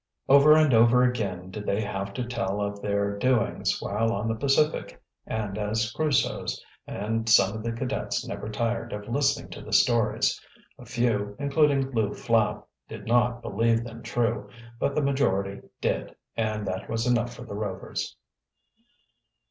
Over and over again did they have to tell of their doings while on the Pacific, and as Crusoes, and some of the cadets never tired of listening to the stories. A few, including Lew Flapp, did not believe them true, but the majority did, and that was enough for the Rovers.